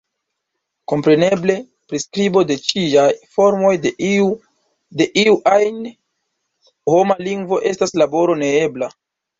Kompreneble, priskribo de ĉiaj formoj de iu ajn homa lingvo estas laboro neebla.